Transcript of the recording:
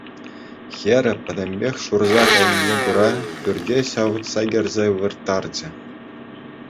Хӗрӗ пӗтӗмпех шурса кайнине кура пӳрте ҫавӑтса кӗрсе вырттарччӗ.